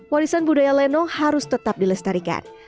warisan budaya lenong harus tetap dilestarikan